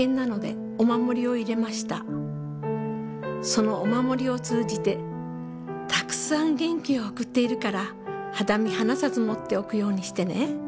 その御守りを通じてたくさん元気を送っているから肌身離さず持っておくようにしてね。